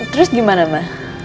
terus gimana ma